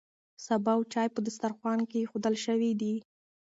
سابه او چای په دسترخوان کې ایښودل شوي دي.